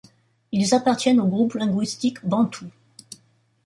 Ils appartiennent au groupe linguistique Bantou.